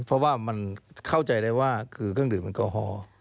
เพราะว่ามันเข้าใจได้ว่าคือเครื่องดื่มแอลกอฮอล์